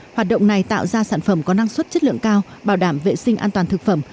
hoạt động này tạo ra sản phẩm có năng suất chất lượng cao bảo đảm vệ sinh an toàn thực phẩm